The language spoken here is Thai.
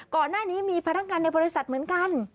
ก่อนหน้านี้มีพนักงานในบริษัทเหมือนกัน